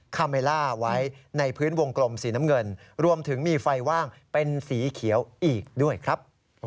คาเมล่าไว้ในพื้นวงกลมสีน้ำเงินรวมถึงมีไฟว่างเป็นสีเขียวอีกด้วยครับ